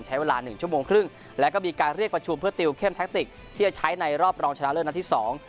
ใช้เวลาหนึ่งชั่วโมงครึ่งแล้วก็มีการเรียกประชุมเพื่อติวเข้มแท็กติกที่จะใช้ในรอบรองชนะเลิศนัดที่สอง